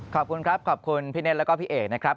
ขอบคุณครับขอบคุณพี่เนธแล้วก็พี่เอกนะครับ